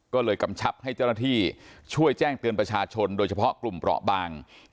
ก็เลยกำชับให้เจ้าหน้าที่ช่วยแจ้งเตือนประชาชนโดยเฉพาะกลุ่มเปราะบาง